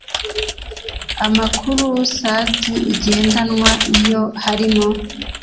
amakuru sd igendanwa iyo harimo